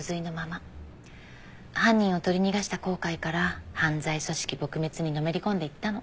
犯人を取り逃がした後悔から犯罪組織撲滅にのめり込んでいったの。